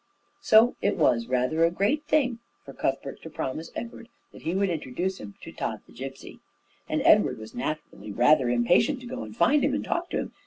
So it was rather a great thing for Cuthbert to promise Edward that he would introduce him to Tod the Gipsy; and Edward was naturally rather impatient to go and find him, and talk to him.